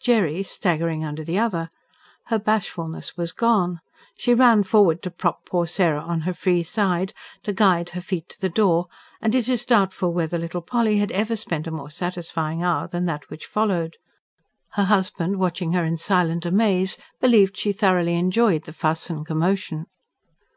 Jerry staggering under the other: her bashfulness was gone. She ran forward to prop poor Sarah on her free side, to guide her feet to the door; and it is doubtful whether little Polly had ever spent a more satisfying hour than that which followed. Her husband, watching her in silent amaze, believed she thoroughly enjoyed the fuss and commotion.